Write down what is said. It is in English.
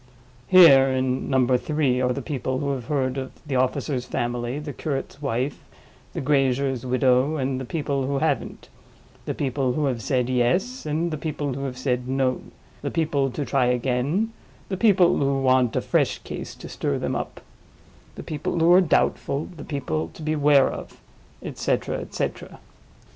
Here, in Number Three, are the people who have heard of the officer's family, the curate's wife, the grazier's widow, and the people who haven't; the people who have said Yes, and the people who have said No; the people to try again, the people who want a fresh case to stir them up, the people who are doubtful, the people to beware of; et cetera, et cetera.